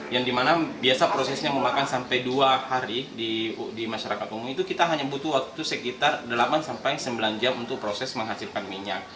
yang dimana biasa prosesnya memakan sampai dua hari di masyarakat umum itu kita hanya butuh waktu sekitar delapan sampai sembilan jam untuk proses menghasilkan minyak